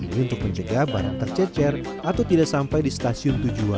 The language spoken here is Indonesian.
ini untuk mencegah barang tercecer atau tidak sampai di stasiun tujuan